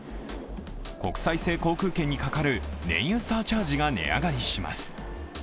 国際線航空券にかかる燃油サーチャージが値上がりします。